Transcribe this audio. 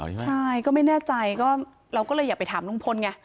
ใช่ก็ไม่แน่ใจก็เราก็เลยอยากไปถามลุงพลไง